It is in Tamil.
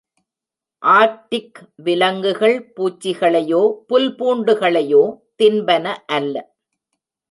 ஆர்க்டிக் விலங்குகள் பூச்சிகளையோ, புல் பூண்டுகளையோ தின்பன அல்ல.